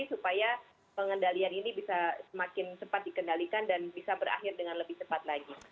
supaya pengendalian ini bisa semakin cepat dikendalikan dan bisa berakhir dengan lebih cepat lagi